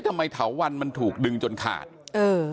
เอ๊ะทำไมเถาวันมันถูกดึงจนขาดเออ